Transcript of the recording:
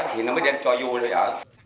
thì nó mới đem cho vô